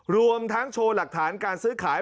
รวมทั้งโชว์หลักฐานการซื้อขาย